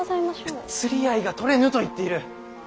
釣り合いが取れぬと言っている！